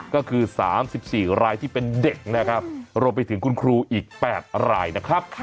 ก็คือ๓๔รายที่เป็นเด็กนะครับรวมไปถึงคุณครูอีก๘รายนะครับ